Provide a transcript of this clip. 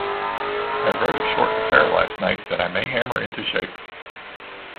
I wrote a short affair last night that I may hammer into shape.